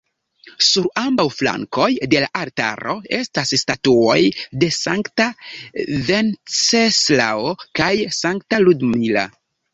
Sur ambaŭ flankoj de la altaro estas statuoj de Sankta Venceslao kaj Sankta Ludmila.